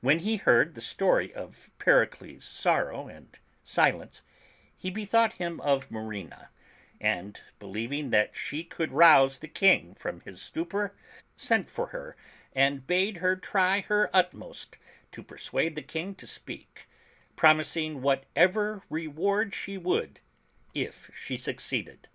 When he heard the story of Pericles' sorrow and silence, he bethought him of Marina, and, believing that she could rouse the King from his stupor, sent for her and bade her try her utmost to persuade the King to speak, promising whatever reward she would, if she succeeded.